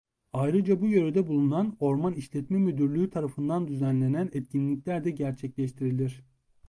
Ayrıca bu yörede bulunan Orman İşletme Müdürlüğü tarafından düzenlenen etkinlikler de gerçekleştirilir.